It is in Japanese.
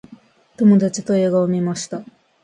友達と映画を観ました。